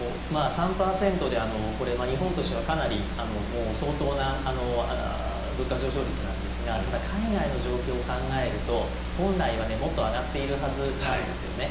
３％で日本としてはかなり相当な物価上昇率なんですがただ、海外の状況を考えると本来はもっと上がっているはずなんですね。